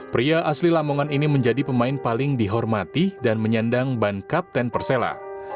pria asli lamongan ini menjadi pemain paling dihormati dan menyandang ban kapten persela